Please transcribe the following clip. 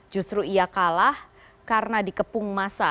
justru ia kalah karena dikepung masa